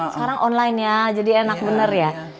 sekarang online ya jadi enak bener ya